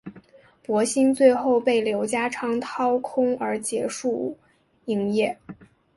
博新最后被刘家昌掏空而结束营业。